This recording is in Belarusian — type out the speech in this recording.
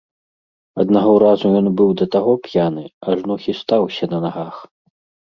Аднаго разу ён быў да таго п'яны, ажно хістаўся на нагах.